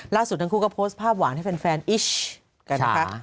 ทั้งคู่ก็โพสต์ภาพหวานให้แฟนอิชกันนะคะ